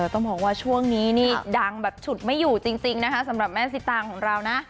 ต้องบอกว่าช่วงนี้นี่ดังแบบฉุดไม่อยู่จริงนะคะสำหรับแม่สิตางของเรานะ